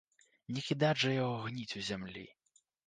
Не кідаць жа яго гніць у зямлі?